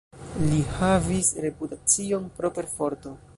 Li havis reputacion pro perforto.